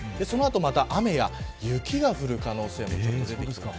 その後、また雨や雪が降る可能性がある。